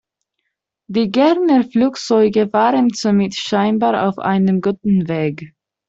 Die Gerner-Flugzeuge waren somit scheinbar auf einem guten Weg.